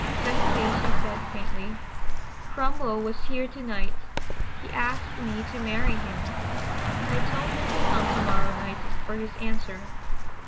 "Cecily," she said faintly, "Cromwell was here to night. He asked me to marry him. I told him to come to morrow night for his answer."